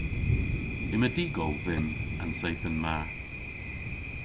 Yma dy'gol dhymm an seythen ma.